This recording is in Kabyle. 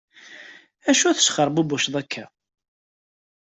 Acu tesxerbubuceḍ akka?